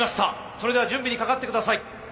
それでは準備にかかって下さい。